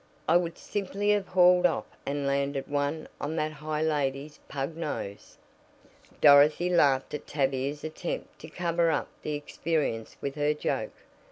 I would simply have hauled off and landed one on that high up lady's pug nose." Dorothy laughed at Tavia's attempt to cover up the experience with her joke.